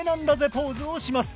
ポーズをします